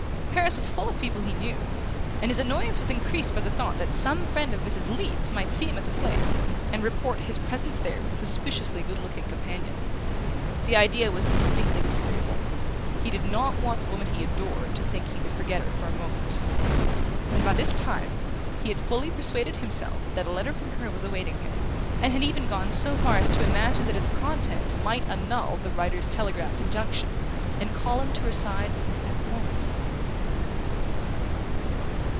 Paris was full of people he knew, and his annoyance was increased by the thought that some friend of Mrs. Leath's might see him at the play, and report his presence there with a suspiciously good looking companion. The idea was distinctly disagreeable: he did not want the woman he adored to think he could forget her for a moment. And by this time he had fully persuaded himself that a letter from her was awaiting him, and had even gone so far as to imagine that its contents might annul the writer's telegraphed injunction, and call him to her side at once...